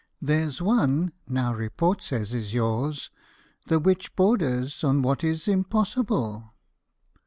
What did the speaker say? There 's one now report says is yours, the which borders On what is impossible."